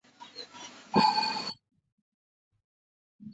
角萼唇柱苣苔为苦苣苔科唇柱苣苔属下的一个种。